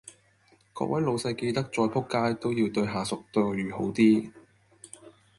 各位老細記得再仆街都要對下屬待遇好啲